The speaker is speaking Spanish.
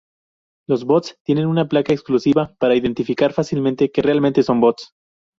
Los Bots tienen una placa exclusiva para identificar fácilmente que realmente son bots.